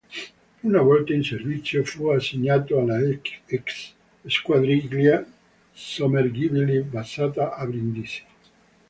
Una volta in servizio fu assegnato alla X Squadriglia Sommergibili, basata a Brindisi.